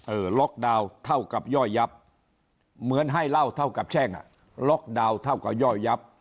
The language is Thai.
ล็อกดาวน์เท่ากับย่อยยับเหมือนให้เล่าเท่ากับแช่งอ่ะล็อกดาวน์เท่ากับย่อยยับ